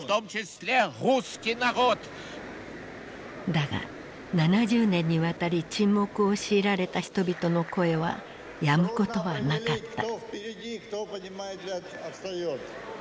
だが７０年にわたり沈黙を強いられた人々の声はやむことはなかった。